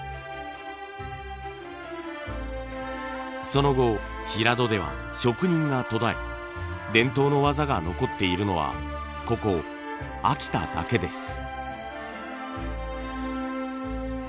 その後平戸では職人が途絶え伝統の技が残っているのはここ秋田だけです。